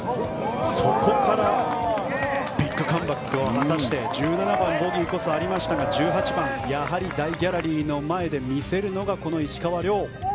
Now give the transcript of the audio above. そこからビッグカムバックを果たして１７番でボギーこそありましたが１８番、大ギャラリーの前で見せるのが石川遼。